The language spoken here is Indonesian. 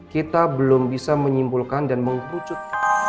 kita belum bisa menyimpulkan dan mengkutipnya untuk mencapai kebakaran di villa la rosa